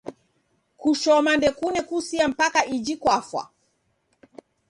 Kushoma ndokune kusia mpaka iji kwafa